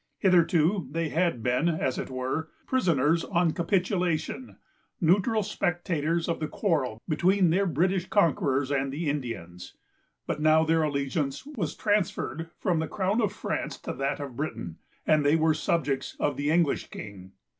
Hitherto they had been, as it were, prisoners on capitulation, neutral spectators of the quarrel between their British conquerors and the Indians; but now their allegiance was transferred from the crown of France to that of Britain, and they were subjects of the English king.